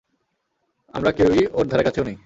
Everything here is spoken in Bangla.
আমরা কেউই ওর ধারেকাছেও নেই!